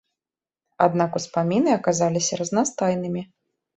Аднак успаміны аказаліся разнастайнымі.